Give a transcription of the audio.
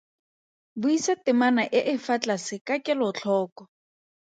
Buisa temana e e fa tlase ka kelotlhoko.